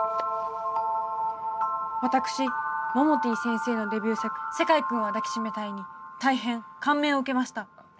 私モモティ先生のデビュー作「世界くんは抱きしめたい」に大変感銘を受けました。